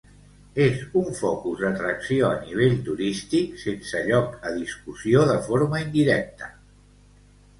És un focus d'atracció a nivell turístic sense lloc a discussió de forma indirecta.